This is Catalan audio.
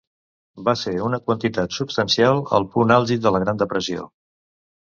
Va ser una quantitat substancial al punt àlgid de la gran depressió.